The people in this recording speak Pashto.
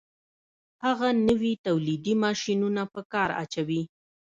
هغه نوي تولیدي ماشینونه په کار اچوي